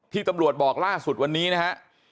ตำรวจบอกล่าสุดวันนี้นะฮะ